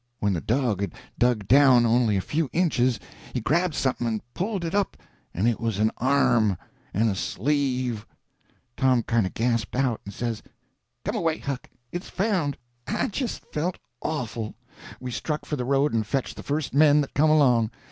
When the dog had dug down only a few inches he grabbed something and pulled it up, and it was an arm and a sleeve. Tom kind of gasped out, and says: "Come away, Huck—it's found." I just felt awful. We struck for the road and fetched the first men that come along.